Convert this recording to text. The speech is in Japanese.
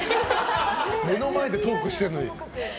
目の前でトークしているのに。